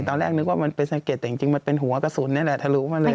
ตอนแรกนึกว่ามันเป็นสะเก็ดแต่จริงมันเป็นหัวกระสุนนี่แหละทะลุมาเลย